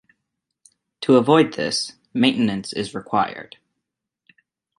To avoid this, maintenance is required.